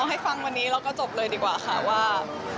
ให้ฟังวันนี้แล้วก็จบเลยดีกว่าค่ะว่า